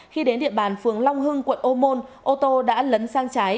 khi đến địa bàn phường long hưng quận ô môn ô tô đã lấn sang trái